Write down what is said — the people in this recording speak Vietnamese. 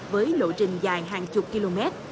với lộ trình dài hàng chục km